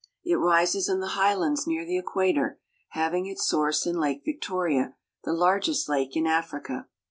It rises in the highlands near the equator, having its source in Lake Victoria, the largest lake in Africa.